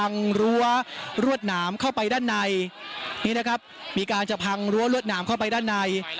นี่นะครับมีการจะพังรั้วรถน้ำเข้าไปด้านใน